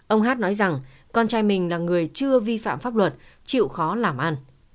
ông hát nói rằng con trai mình là người chưa vi phạm pháp luật chịu khó làm ăn